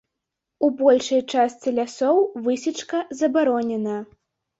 У большай частцы лясоў высечка забаронена.